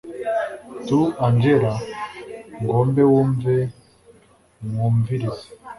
tu angella ngombe mwumve mwumvirize